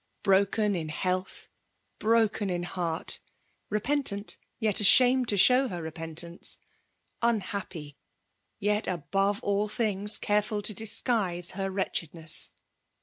Broken in health, broken in heart, — ^repentant^ yet ashamed U> show her repentance, — unhappy, yet, above all things, careful to disguise her wretchedness